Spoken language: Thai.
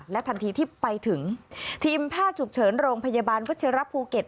ทันทีที่ไปถึงทีมแพทย์ฉุกเฉินโรงพยาบาลวัชิระภูเก็ต